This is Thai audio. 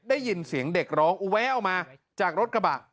ได้ยินเสียงเด็กร้องแวะออกมาจากรถกระบะ